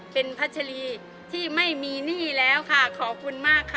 เป็นพัชรีที่ไม่มีหนี้แล้วค่ะขอบคุณมากค่ะ